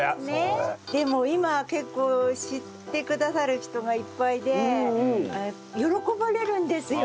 でも今は結構知ってくださる人がいっぱいで喜ばれるんですよ。